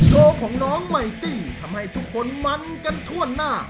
โกของน้องไมตี้ทำให้ทุกคนมันกันทั่วหน้า